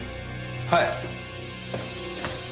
はい。